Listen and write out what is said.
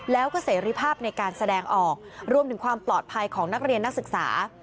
แล้วก็เสรีภาพในการแสดงออกรวมถึงความปลอดภัยของนักเรียนนักศึกษา